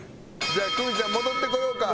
じゃあ久美ちゃん戻ってこようか。